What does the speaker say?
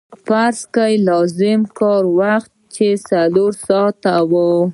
فرض کړئ د لازم کار وخت چې څلور ساعته وو